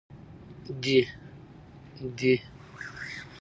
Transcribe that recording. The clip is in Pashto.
دي